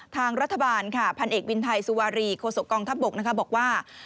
ทางรัฐบาลค่ะพันเอกวินไทยสุวารีโคศกองทัพบกบอกว่า